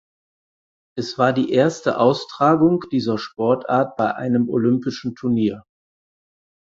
Es war die erste Austragung dieser Sportart bei einem olympischen Turnier.